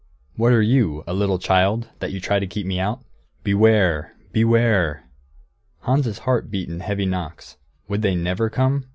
What are you, a little child, that you try to keep me out? Beware! Beware!" Hans' heart beat in heavy knocks. Would they never come?